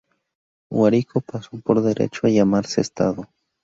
Guárico pasó por derecho a llamarse Estado.